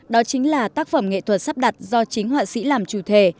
đó chính là tác phẩm nghệ thuật sắp đặt do chính họa sĩ làm chủ thể